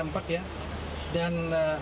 empat ya dan